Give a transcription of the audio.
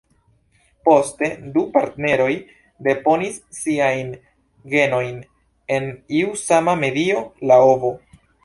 Poste, du partneroj deponis siajn genojn en iu sama medio, la ovo.